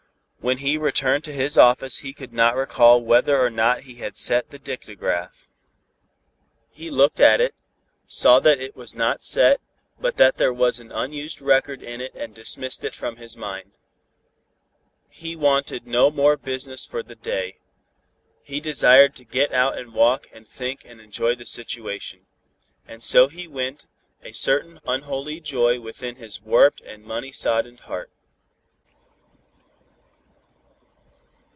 When he returned to his office he could not recall whether or not he had set the dictagraph. He looked at it, saw that it was not set, but that there was an unused record in it and dismissed it from his mind. He wanted no more business for the day. He desired to get out and walk and think and enjoy the situation. And so he went, a certain unholy joy within his warped and money soddened heart.